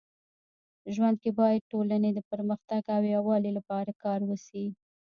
ژوند کي باید ټولني د پرمختګ او يووالي لپاره کار وسي.